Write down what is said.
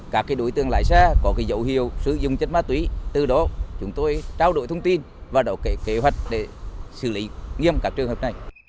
và các đối tượng lái xe có dấu hiệu sử dụng chất má tủy từ đó chúng tôi trao đổi thông tin và đổ kế hoạch để xử lý nghiêm các trường hợp này